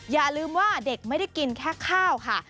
อย่าลืมว่าเด็กไม่ได้กินแค่ข้าวค่ะ